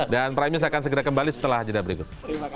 dan primus akan segera kembali setelah hajadah berikut